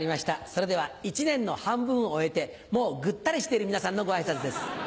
それでは１年の半分を終えてもうグッタリしている皆さんのご挨拶です。